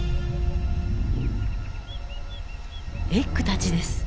エッグたちです。